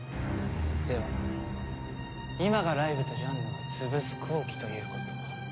では今がライブとジャンヌを潰す好機ということ。